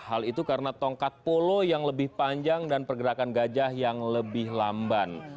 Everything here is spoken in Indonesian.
hal itu karena tongkat polo yang lebih panjang dan pergerakan gajah yang lebih lamban